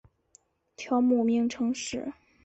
条目名称是